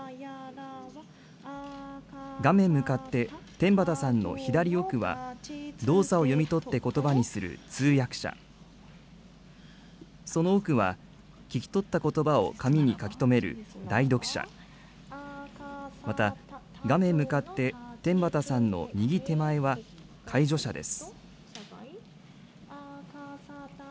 画面向かって天畠さんの左奥は、動作を読み取ってことばにする通訳者、その奥は、聞き取ったことばを紙に書き留める代読者、また、画面向かって天畠さんの右手前は介助者です。